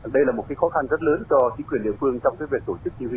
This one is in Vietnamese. đây là một cái khó khăn rất lớn cho chính quyền liên phương trong việc tổ chức chi huy